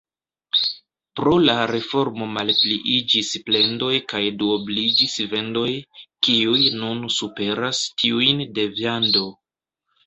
Pro la reformo malpliiĝis plendoj kaj duobliĝis vendoj, kiuj nun superas tiujn de viando.